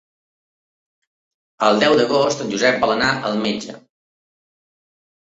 El deu d'agost en Josep vol anar al metge.